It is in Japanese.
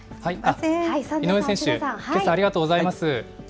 井上選手、けさはありがとうございます。